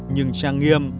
nhưng trang nghiêm